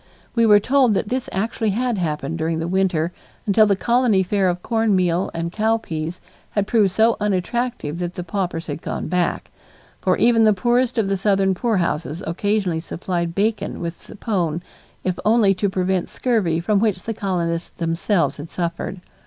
We were told that this actually had happened during the winter until the colony fare of corn meal and cow peas had proved so unattractive that the paupers had gone back, for even the poorest of the southern poorhouses occasionally supplied bacon with the pone if only to prevent scurvy from which the colonists themselves had suffered.